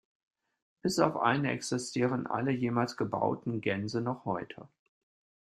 Bis auf eine existieren alle jemals gebauten "Gänse" noch heute.